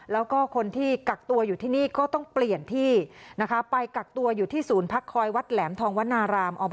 แล้วก็คนที่กักตัวอยู่ที่นี่ก็ต้องเปลี่ยนที่นะคะไปกักตัวอยู่ที่ศูนย์พักคอยวัดแหลมทองวนาราม